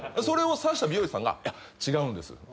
それを察した美容師さんが「いや違うんです」